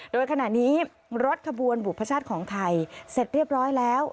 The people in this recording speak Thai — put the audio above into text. โดยขณะนี้รถขบวนบุพชาติของไทยเสร็จเรียบร้อยแล้ว